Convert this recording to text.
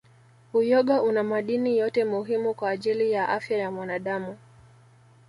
Uyoga una madini yote muhimu kwa ajili ya afya ya mwanadamu